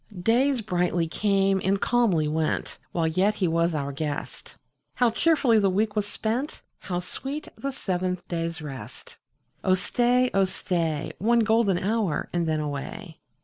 Days brightly came and calmly went, While yet he was our guest ; How cheerfully the week was spent ! How sweet the seventh day's rest ! Oh stay, oh stay. One golden hour, and then away.